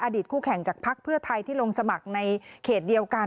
คู่แข่งจากภักดิ์เพื่อไทยที่ลงสมัครในเขตเดียวกัน